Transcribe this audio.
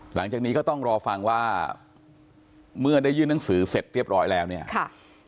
หลังจากนี้ก็ต้องรอฟังว่าเมื่อได้ยื่นหนังสือเสร็จเรียบร้อยแล้วเนี่ยค่ะ